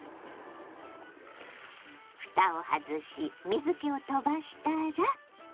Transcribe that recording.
ふたを外し水けを飛ばしたら。